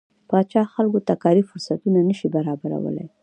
پاچا خلکو ته کاري فرصتونه نشي برابرولى.